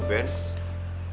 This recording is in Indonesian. ya boleh sih nge ban